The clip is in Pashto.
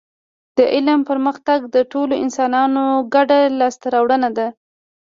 د علم پرمختګ د ټولو انسانانو ګډه لاسته راوړنه ده